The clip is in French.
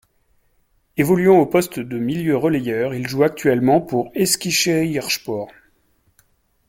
Évoluant au poste de milieu relayeur, il joue actuellement pour Eskişehirspor.